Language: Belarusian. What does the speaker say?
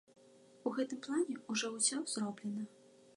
У гэтым плане ўжо ўсё зроблена.